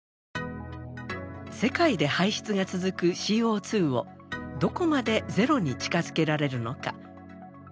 世界で排出が続くＣＯをどこまでゼロに近づけられるのか。